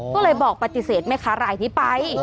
ก็เลยบอกปฏิเสธแม่ค้ารายนี้ไป